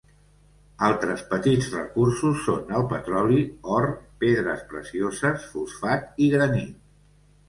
Altres petits recursos són el petroli, or, pedres precioses, fosfat i granit.